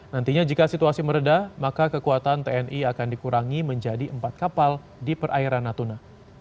nantinya jika situasi meredah maka kekuatan tni akan dikurangi menjadi empat kapal di perairan natuna